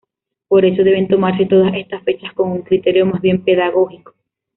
Por eso, deben tomarse todas estas fechas con un criterio más bien pedagógico.